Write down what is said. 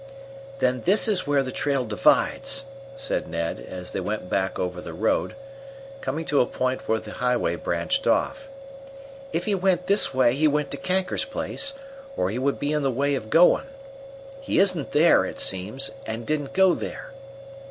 "Then this is where the trail divides," said Ned, as they went back over the road, coming to a point where the highway branched off. "If he went this way, he went to Kanker's place, or he would be in the way of going. He isn't there, it seems, and didn't go there."